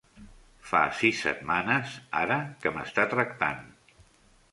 Fa sis setmanes ara que m'està tractant.